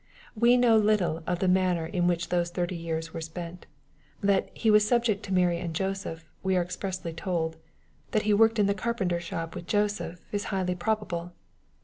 We know little of the manner in which those thirty years were spent. That He was " subject to Mary and Joseph," we are expressly told. That He worked in the carpenter's shop with Joseph, is highly probable.